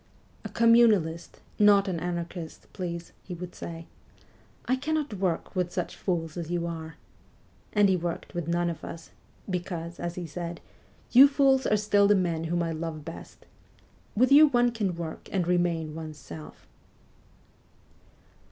' A Communalist, not an Anarchist, please,' he would say. ' I cannot work with such fools as you are ;' and he worked with none but us, ' because,' as he said, ' you fools are still the men whom I love best. "With you one can work, and remain one's self.'